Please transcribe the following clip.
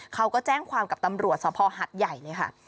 เขาก็แจ้งความกับตำรวจสภหัดใหญ่เลยค่ะ